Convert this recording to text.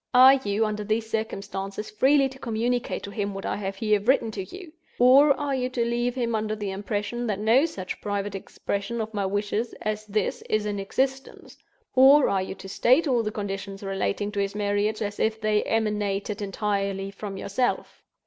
Are you, under these circumstances, freely to communicate to him what I have here written to you? Or are you to leave him under the impression that no such private expression of my wishes as this is in existence; and are you to state all the conditions relating to his marriage, as if they emanated entirely from yourself?